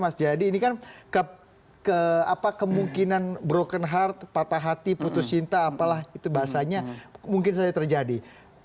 mas jayadi ini kan kemungkinan broken heart patah hati putus cinta apalah itu bahasanya mungkin saja terjadi